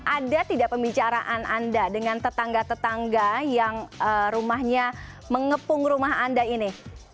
ada tidak pembicaraan anda dengan tetangga tetangga yang rumahnya mengepung rumah anda ini